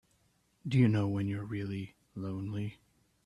Do you know when you're really lonely?